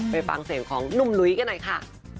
ไปฟังเสียงของหนุ่มหลุยกันหน่อยค่ะ